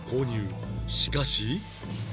しかし